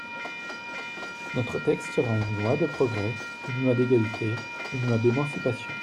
Notre texte sera une loi de progrès, une loi d’égalité, une loi d’émancipation.